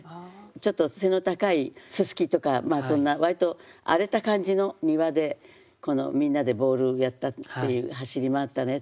ちょっと背の高いすすきとか割と荒れた感じの庭でこのみんなでボールやったり走り回ったねって。